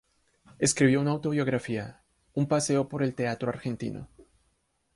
Escribió una autobiografía "Un paseo por el teatro argentino".